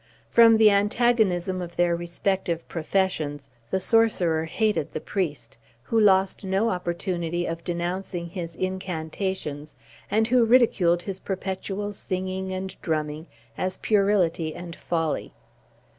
From the antagonism of their respective professions, the sorcerer hated the priest, who lost no opportunity of denouncing his incantations, and who ridiculed his perpetual singing and drumming as puerility and folly.